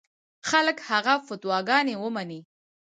خلک هغه فتواګانې ومني.